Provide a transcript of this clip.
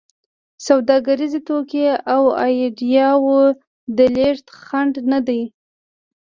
سوداګریز توکي او ایډیاوو د لېږد خنډ نه دی.